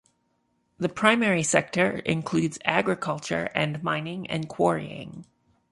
The primary sector includes agriculture and mining and quarrying.